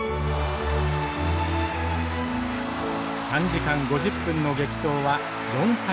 ３時間５０分の激闘は４対３。